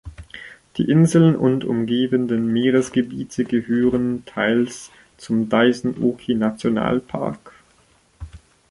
Die Inseln und umgebenden Meeresgebiete gehören teils zum Daisen-Oki-Nationalpark.